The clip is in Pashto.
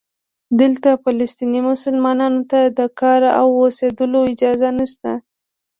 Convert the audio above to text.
دلته فلسطینی مسلمانانو ته د کار او اوسېدلو اجازه نشته.